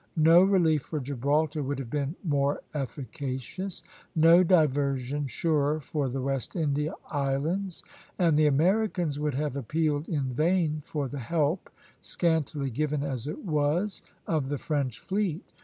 No relief for Gibraltar would have been more efficacious; no diversion surer for the West India Islands; and the Americans would have appealed in vain for the help, scantily given as it was, of the French fleet.